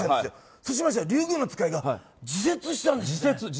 そうしましたらリュウグウノツカイが自切したんです。